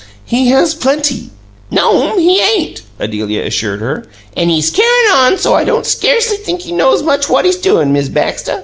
He has plenty!" "No'm, he 'ain't," Adelia assured her. "An' he's carryin' on so I don't scarcely think he knows much what he's doin', Miz Baxter.